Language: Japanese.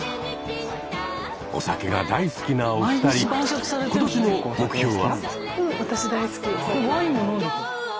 お酒が大好きなお二人今年の目標は？